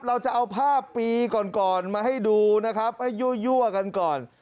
เราจะเอาภาพปีก่อนก่อนมาให้ดูนะครับให้ยั่วกันก่อน